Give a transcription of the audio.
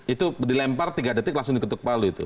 itu dilempar tiga detik langsung diketuk palu itu